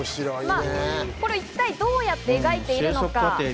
一体どうやって描いているのか。